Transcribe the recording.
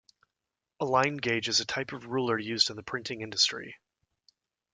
A line gauge is a type of ruler used in the printing industry.